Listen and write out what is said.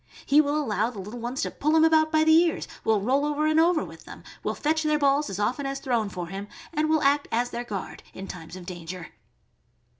He will allow the little ones to pull him about by the ears, will roll over and over with them, will fetch their balls as often as thrown for him, and will act as their guard in times of danger.